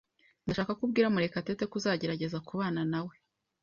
Ndashaka ko ubwira Murekatete ko uzagerageza kubana nawe.